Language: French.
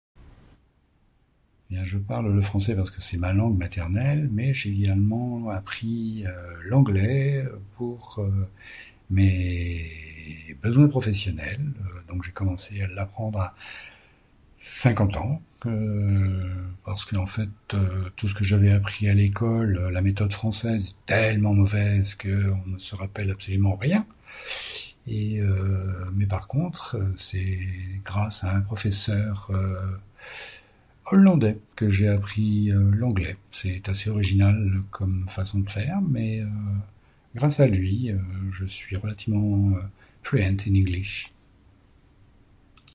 Bien je parle le français parce que c'est ma langue maternelle mais j'ai également appris l'anglais pour mes besoins professionnels. Donc j'ai commencé a l'apprendre à 50 ans parce que en fait tout ce que j'avais appris à l'école, la méthode française est tellement mauvaise que, on ne se rappelle absolument rien. Mais par contre c'est grâce à un professeur hollandais que j'ai appris l'anglais, c'est assez original comme façon de faire mais grâce à lui, je suis relativement fluent in english.